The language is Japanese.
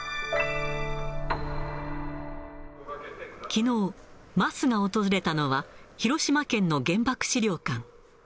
きのう、桝が訪れたのは、広島県の原爆資料館。